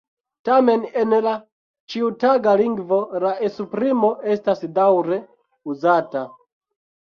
Tamen en la ĉiutaga lingvo la esprimo estas daŭre uzata.